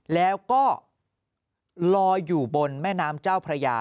แล้วก็ลอยอยู่บนแม่น้ำเจ้าพระยา